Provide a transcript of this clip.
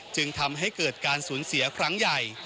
จึงทำให้เกิดการสูญเสียครั้งใหญ่